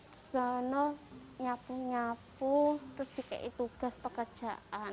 terus bangun nyapu nyapu terus dikasih tugas pekerjaan